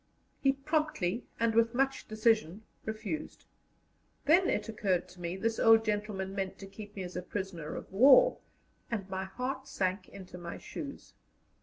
He promptly and with much decision refused. Then it occurred to me this old gentleman meant to keep me as a prisoner of war, and my heart sank into my shoes.